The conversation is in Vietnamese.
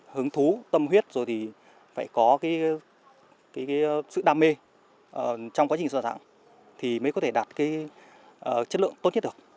hứng thú tâm huyết rồi thì phải có sự đam mê trong quá trình soạn thảo thì mới có thể đạt chất lượng tốt nhất được